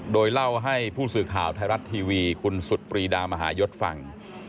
โดยเล่าให้ผู้สื่อข่าวไทยรัฐทีวีคุณสุดปรีดามหายศฟัง